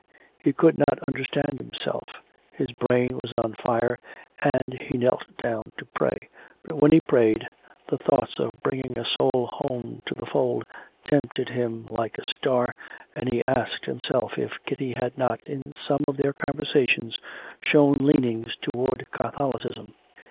He could not understand himself; his brain was on fire, and he knelt down to pray, but when he prayed the thought of bringing a soul home to the fold tempted him like a star, and he asked himself if Kitty had not, in some of their conversations, shown leanings toward Catholicism.